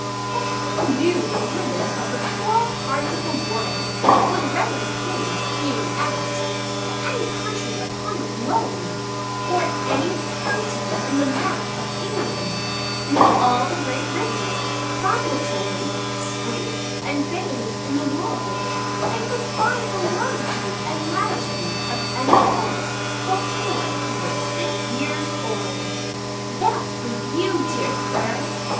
_] "that he knew the limits of the four parts of the world; would readily point, being asked, to any country upon the globe, or any county in the map of England; knew all the great rivers, promontories, streights, and bays in the world, and could find the longitude and latitude of any place, before he was six years old." There's for you, dear Sir!